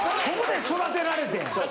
ここで育てられてん。